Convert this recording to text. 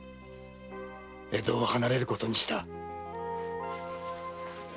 江戸を離れることにした。